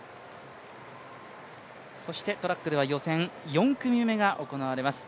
そしてトラックでは予選４組目が行われます。